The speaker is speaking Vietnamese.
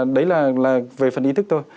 đấy là về phần ý thức thôi